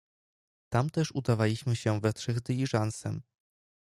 "Tam też udawaliśmy się we trzech dyliżansem."